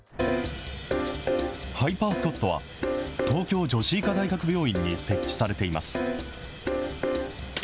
ハイパー・スコットは、東京女子医科大学病院に設置されています。